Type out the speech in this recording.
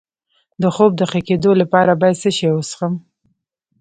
د خوب د ښه کیدو لپاره باید څه شی وڅښم؟